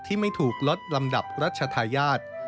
ไม่ถูกลดลำดับรัชธาญาติ